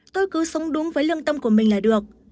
tôi cứ sống đúng với lương tâm của mình là được